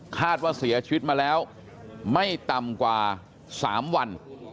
คาดว่าเสียชีวิตมาแล้วไม่ต่ำกว่า๓วัน